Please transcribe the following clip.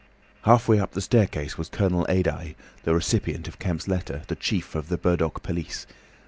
Halfway up the staircase was Colonel Adye, the recipient of Kemp's letter, the chief of the Burdock police.